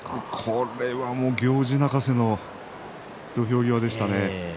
これは行司泣かせの土俵際でしたね。